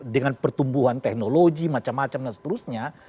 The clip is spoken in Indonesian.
dengan pertumbuhan teknologi macam macam dan seterusnya